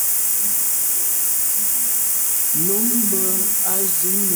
Nummb’a zin neta.